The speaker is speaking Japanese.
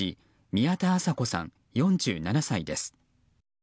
宮田麻子さん、４７歳です。